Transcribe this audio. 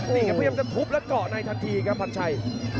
นี่ครับพยายามจะทุบและเกาะในทันทีครับพันชัย